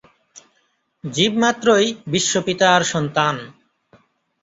জীবমাত্রই বিশ্বপিতার সন্তান।